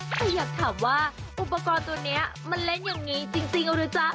แต่อยากถามว่าอุปกรณ์ตัวนี้มันเล่นอย่างนี้จริงหรือจ๊ะ